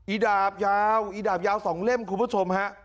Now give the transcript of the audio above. ดาบยาวอีดาบยาว๒เล่มคุณผู้ชมฮะ